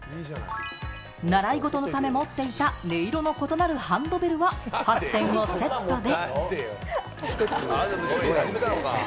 習い事のため持っていた音色の異なるハンドベルは、８点をセットで。